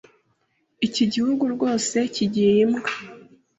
Iki gihugu rwose kigiye imbwa!